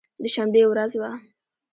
د شنبې ورځ وه.